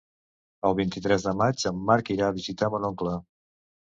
El vint-i-tres de maig en Marc irà a visitar mon oncle.